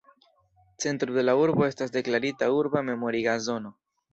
Centro de la urbo estas deklarita urba memoriga zono.